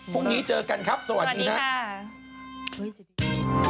พรุ่งนี้เจอกันครับสวัสดีครับ